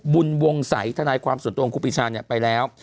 บุญวงศัยท่านายความส่วนตัวของครูปีชาเนี่ยไปแล้ว